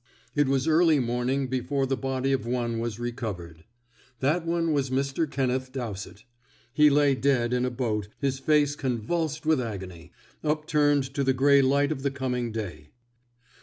It was early morning before the body of one was recovered. That one was Mr. Kenneth Dowsett. He lay dead in a boat, his face convulsed with agony, upturned to the gray light of the coming day.